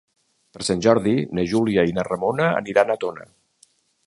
Per Sant Jordi na Júlia i na Ramona aniran a Tona.